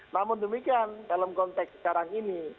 namun demikian dalam konteks sekarang ini